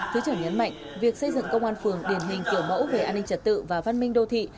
thứ trưởng nhấn mạnh việc xây dựng công an phường điển hình kiểu mẫu về an ninh trật tự và văn minh đô thị